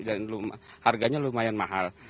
yang dalam dan harganya lumayan mahal